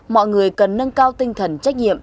mọi người cần nâng cao tinh thần trách nhiệm